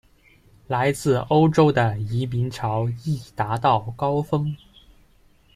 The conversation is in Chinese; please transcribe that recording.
来自欧洲的移民潮亦达到高峰。